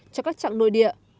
cho các trạng nội địa